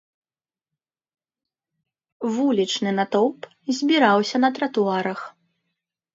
Вулічны натоўп збіраўся на тратуарах.